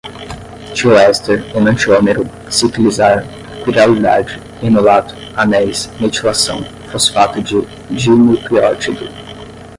tioéster, enantiômero, ciclizar, quiralidade, enolato, anéis, metilação, fosfato de dinucléotido